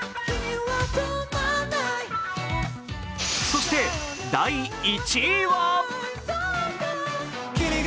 そして第１位は？